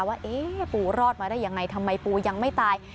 ว่าเอ๊ะปูรอดมาได้ยังไงทำไมปูยังไม่ตาย